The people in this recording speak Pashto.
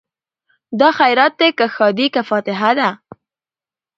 دا خیرات دی که ښادي که فاتحه ده